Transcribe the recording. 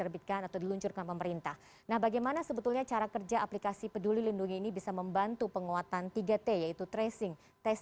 baik terima kasih pak alphonsus